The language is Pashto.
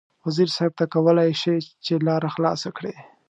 وزیر صیب ته کولای شې چې لاره خلاصه کړې.